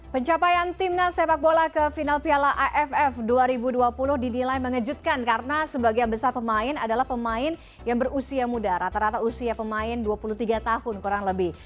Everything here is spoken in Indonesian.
pencapaian timnas sepak bola ke final piala aff dua ribu dua puluh didilai mengejutkan karena sebagian besar pemain adalah pemain yang berusia muda rata rata usia pemain dua puluh tiga tahun kurang lebih